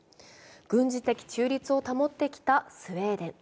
軍事的中立を保ってきたスウェーデン。